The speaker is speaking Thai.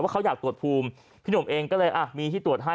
เขาอยากตรวจภูมิพี่หนุ่มเองก็เลยอ่ะมีที่ตรวจให้